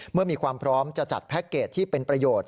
มีความพร้อมจะจัดแพ็คเกจที่เป็นประโยชน์